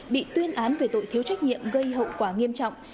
bị tuyên án về tội thiếu trách nhiệm gây hậu quả nghiêm trọng